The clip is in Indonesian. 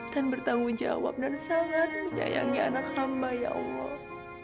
dan bertanggung jawab dan sangat menyayangi anak mu ya allah